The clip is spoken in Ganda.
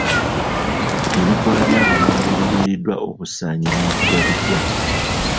Ebikoola bya lumonde ebiriiriddwa obusaanyi biyitibwa bitya?